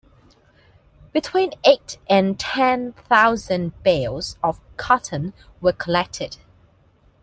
Between eight and ten thousand bales of cotton were collected.